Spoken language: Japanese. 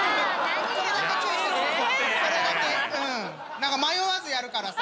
何か迷わずやるからさ。